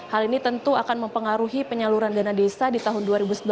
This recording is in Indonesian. hal ini tentu akan mempengaruhi penyaluran dana desa di tahun dua ribu sembilan belas